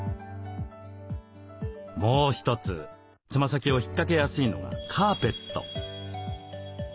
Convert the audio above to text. もう一つつま先を引っかけやすいのがカーペット。